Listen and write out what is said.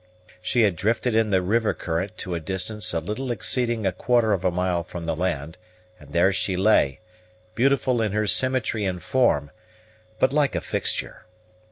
She had drifted in the river current to a distance a little exceeding a quarter of a mile from the land, and there she lay, beautiful in her symmetry and form, but like a fixture.